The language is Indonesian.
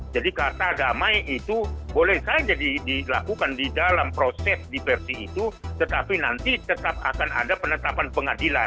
jadi kata damai itu boleh saja dilakukan di dalam proses diversi itu tetapi nanti tetap akan ada penetapan pengadilan